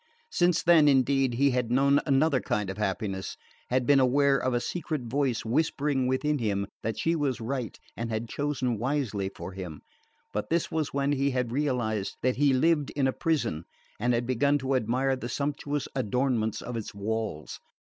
Since then, indeed, he had known another kind of happiness, had been aware of a secret voice whispering within him that she was right and had chosen wisely for him; but this was when he had realised that he lived in a prison, and had begun to admire the sumptuous adornment of its walls.